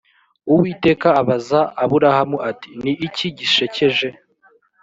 uwiteka abaza aburahamu ati ni iki gishekeje